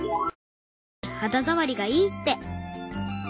軽いし肌触りがいいって。